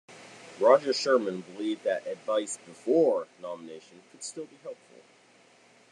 Roger Sherman believed that advice "before" nomination could still be helpful.